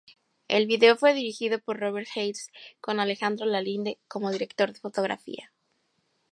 El video fue dirigido por Robert Hales, con Alejandro Lalinde como director de fotografía.